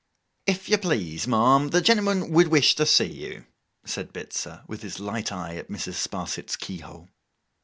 'If you please, ma'am, the gentleman would wish to see you,' said Bitzer, with his light eye at Mrs. Sparsit's keyhole.